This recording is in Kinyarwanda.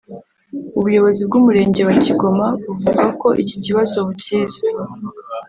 ubuyobozi bw’umurenge wa Kigoma buvuga ko iki kibazo bukizi